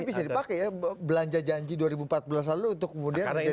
tapi bisa dipakai ya belanja janji dua ribu empat belas lalu untuk kemudian menjadi